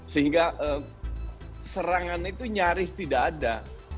sehingga serangan itu nyaris tidak ada